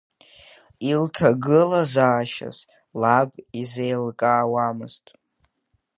Илҭагылазаашьаз лаб изеилкаауамызт.